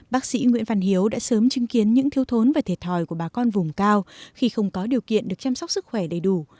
bác sĩ nguyễn văn hiếu đã sớm chứng kiến những thiếu thốn và thiệt thòi của bà con vùng cao khi không có điều kiện được chăm sóc sức khỏe đầy đủ